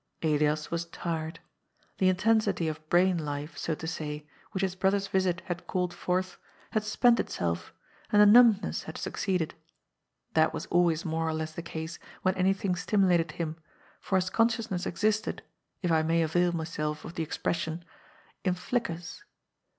Elias was tired. The intensity of brain life, so to say, which his brother's visit had called forth, had spent itself, and a numbness had succeeded. That was always more or less the case when anything stimulated him, for Jiis con HEKDBIK LOSSELL'S FIRST STEP. §29 sciousness existed — if I may avail myself of the expression — in flickers.